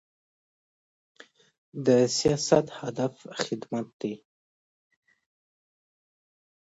د سیاست هدف خدمت دی